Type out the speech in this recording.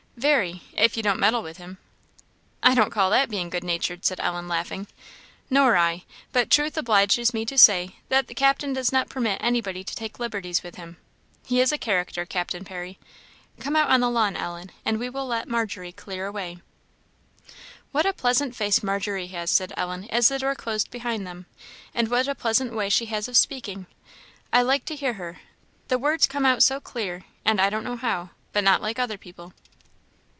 "Very if you don't meddle with him." "I don't call that being good natured," said Ellen, laughing. "Nor I; but truth obliges me to say, the Captain does not permit anybody to take liberties with him. He is a character, Captain Parry. Come out on the lawn, Ellen, and we will let Margery clear away." "What a pleasant face Margery has!" said Ellen, as the door closed behind them; "and what a pleasant way she has of speaking! I like to hear her; the words come out so clear, and I don't know how, but not like other people."